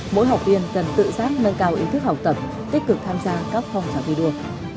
mỗi học viên cần tự giác nâng cao ý thức học tập tích cực tham gia các phong trào thi đua